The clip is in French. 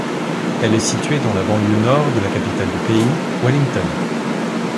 Elle est située dans la banlieue nord de la capitale du paysː Wellington.